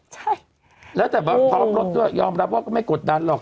ใช่แล้วแต่พร้อมรถด้วยยอมรับว่าก็ไม่กดดันหรอก